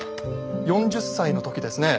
４０歳の時ですね